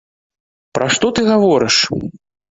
Пра што ты гаворыш?